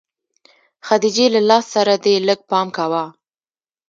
خديجې له لاس سره دې لږ پام کوه.